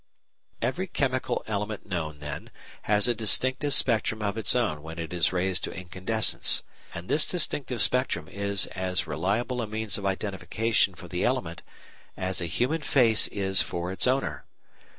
] Every chemical element known, then, has a distinctive spectrum of its own when it is raised to incandescence, and this distinctive spectrum is as reliable a means of identification for the element as a human face is for its owner.